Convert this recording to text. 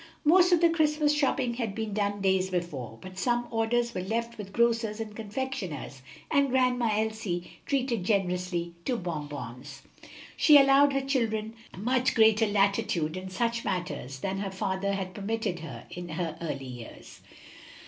Most of the Christmas shopping had been done days before, but some orders were left with grocers and confectioners, and Grandma Elsie treated generously to bonbons. She allowed her children much greater latitude in such matters than her father had permitted her in her early years.